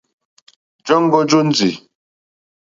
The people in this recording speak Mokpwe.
Jɔǃ́ɔ́ŋɡɔ́ jóndì.